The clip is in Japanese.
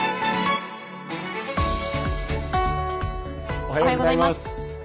おはようございます。